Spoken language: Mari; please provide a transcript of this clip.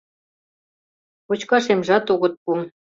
Кочкашемжат огыт пу.